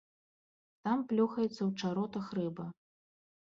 Там плёхаецца ў чаротах рыба.